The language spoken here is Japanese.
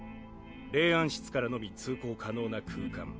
霊安室からのみ通行可能な空間。